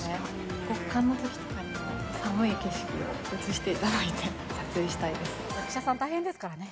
極寒のときとかでも、寒い景色を映していただいて、撮影したいで役者さん、大変ですからね。